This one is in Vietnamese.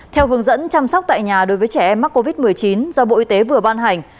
theo hướng dẫn chăm sóc tại nhà đối với trẻ em mắc covid một mươi chín do bộ y tế vừa ban hành